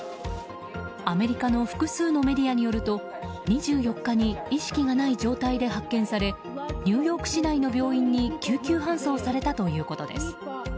アメリカの複数のメディアによると２４日に意識がない状態で発見されニューヨーク市内の病院に救急搬送されたということです。